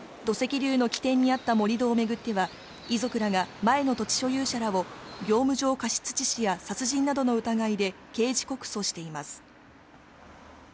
土石流の起点にあった盛り土を巡っては、遺族らが前の土地所有者らを業務上過失致死や殺人などの疑いで刑事告訴しています。